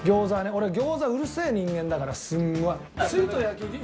俺餃子うるせぇ人間だからすんごい。